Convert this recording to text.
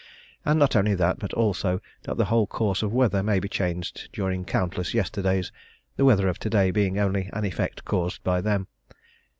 And not only that, but also that the whole course of weather may be changed during countless yesterdays, the weather of to day being only an effect caused by them.